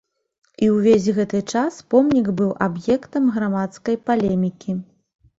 І ўвесь гэты час помнік быў аб'ектам грамадскай палемікі.